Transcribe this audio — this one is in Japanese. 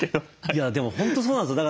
いやでも本当そうなんですよ。